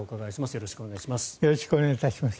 よろしくお願いします。